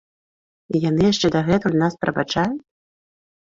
І яны яшчэ дагэтуль нас прабачаюць?